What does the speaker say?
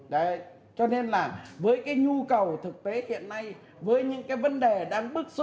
đấy cho nên là với cái nhu cầu thực tế hiện nay với những cái vấn đề đang bức xúc